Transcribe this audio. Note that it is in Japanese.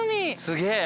すげえ！